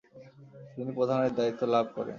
তিনি প্রধানের দায়িত্ব লাভ করেন।